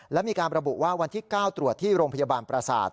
และมีการระบุว่าวันที่๙ตรวจที่โรงพยาบาลประสาท